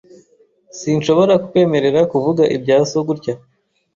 sSinshobora kukwemerera kuvuga ibya so gutya.